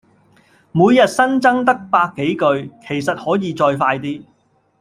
每日新增得百幾句，其實可以再快啲